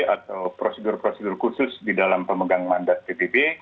atau prosedur prosedur khusus di dalam pemegang mandat pbb